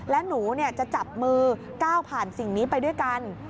และหนูจะจับมือก้าวผ่านสิ่งนี้ไปด้วยกัน